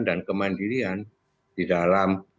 dan kemandirian di dalam